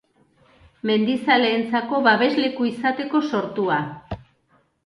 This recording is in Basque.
Mendizaleentzako babesleku izateko sortua.